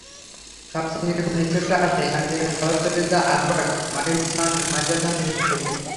সবচেয়ে নির্ভুল হিসেবটা আসে অ্যামেরিকান পদার্থবিদ আলবার্ট মাইকেলসনের হিসাব থেকে।